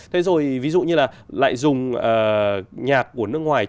thế rồi ví dụ như là lại dùng nhạc của nước ngoài